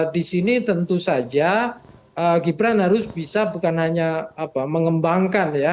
di sini tentu saja gibran harus bisa bukan hanya mengembangkan ya